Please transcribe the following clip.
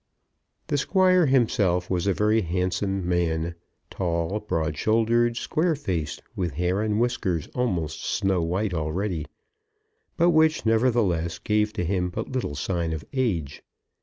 The Squire himself was a very handsome man, tall, broad shouldered, square faced, with hair and whiskers almost snow white already, but which nevertheless gave to him but little sign of age.